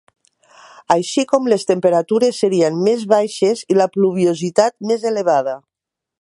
Així com les temperatures serien més baixes i la pluviositat més elevada.